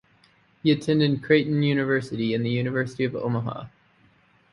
He attended Creighton University and the University of Omaha.